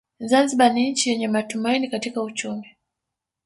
Zanzibar ni nchi yenye matumaini katika uchumi